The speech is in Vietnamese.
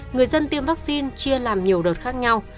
người dân tiêm vaccine chia làm nhiều đợt khác nhau